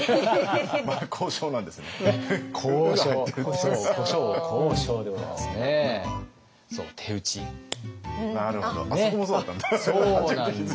そこもそうだったんだ。